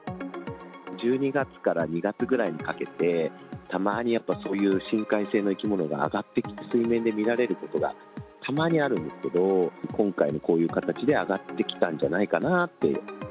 １２月から２月ぐらいにかけて、たまにやっぱそういう深海性の生き物が上がってきて、水面で見られることがたまにあるんですけど、今回もこういう形で上がってきたんじゃないかなって。